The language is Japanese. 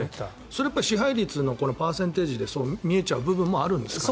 それは支配率のパーセンテージでそう見えちゃう部分もあるんですか？